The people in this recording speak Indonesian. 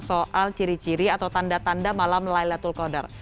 soal ciri ciri atau tanda tanda malam laylatul qadar